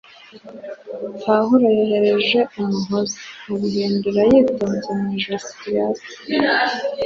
Pawulo yoroheje umuhoza, abihindura yitonze ku ijosi rya se